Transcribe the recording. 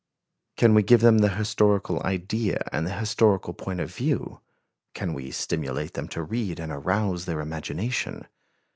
Can we give them the historical idea and the historical point of view? Can we stimulate them to read and arouse their imagination?